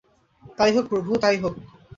তাই হোক, প্রভু তাই হোক।